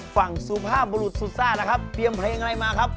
ฝั่งสุภาพบุรุษสุดซ่าไปเพียมเพลงไรมา